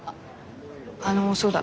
あのそうだ